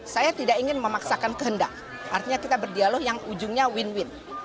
saya tidak ingin memaksakan kehendak artinya kita berdialog yang ujungnya win win